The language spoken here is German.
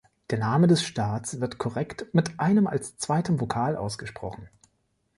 Der Name des Staats wird korrekt mit einem als zweitem Vokal ausgesprochen.